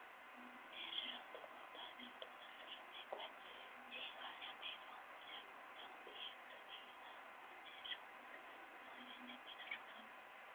目前世上通行的较多的四种玫瑰金含量配方如下将此比例的黄金首次用于金币的铸造。